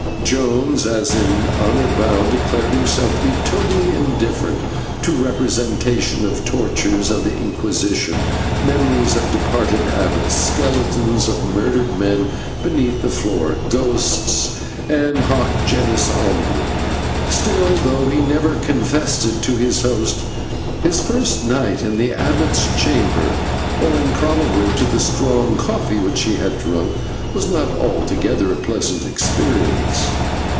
Jones, as in honour bound, declared himself to be totally indifferent to representations of tortures of the Inquisition, memories of departed abbots, skeletons of murdered men beneath the floor, ghosts, and /hoc genus omne/. Still, though he never confessed it to his host, his first night in the abbot's chamber, owing probably to the strong coffee which he had drunk, was not altogether a pleasant experience.